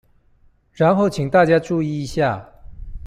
然後請大家注意一下